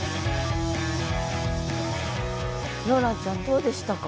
ローランちゃんどうでしたか？